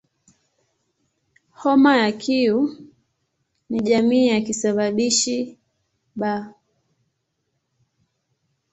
Homa ya Q ni jamii ya kisababishi "B".